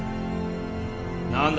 何だ？